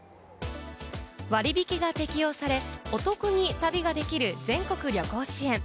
割引が適用され、お得に旅ができる全国旅行支援。